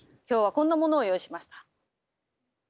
今日はこんなものを用意しました。